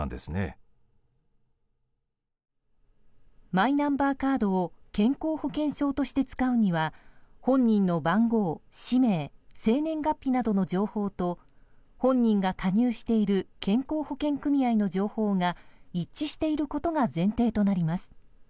マイナンバーカードを健康保険証として使うには本人の番号、氏名生年月日などの情報と本人が加入している健康保険組合の情報が一致していることが前提となります。